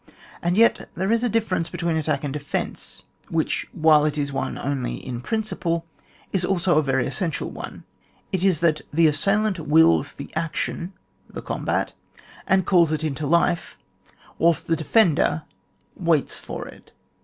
And yet there is a difference be tween attack and defence, whi h, while it is the only one in principle, is also a very essential one ; it is, that the assailant Wills the action (the combat), and calls it into life: whilst the defender waits for it.